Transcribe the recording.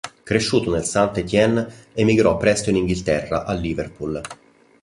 Cresciuto nel St-Étienne, emigrò presto in Inghilterra, al Liverpool.